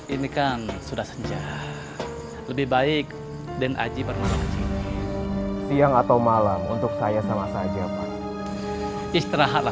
ini kan sudah sejak lebih baik dan aji permohonan siang atau malam untuk saya sama saja istirahatlah